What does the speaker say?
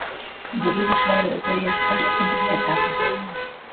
Divides a obra de Díaz Castro en tres etapas.